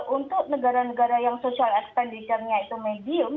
untuk negara negara yang social expenditure nya itu medium